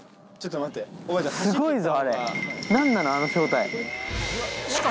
すごいぞ！